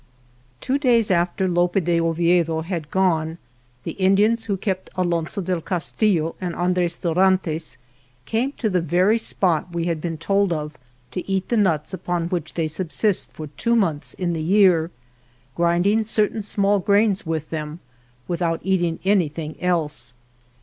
TWO days after Lope de Oviedo had gone the Indians who kept Alonso del Castillo and Andres Dorantes came to the very spot we had been told of to eat the nuts upon which they subsist for two months in the year, grinding certain small grains with them, without eating any thing else.